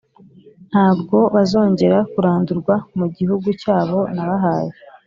ntabwo bazongera kurandurwa mu gihugu cyabo nabahaye.